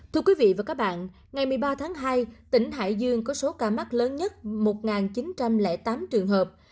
thưa quý vị và các bạn ngày một mươi ba tháng hai tỉnh hải dương có số ca mắc lớn nhất một chín trăm linh tám trường hợp